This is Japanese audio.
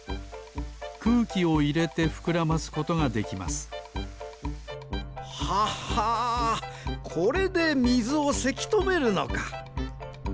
くうきをいれてふくらますことができますははこれでみずをせきとめるのか。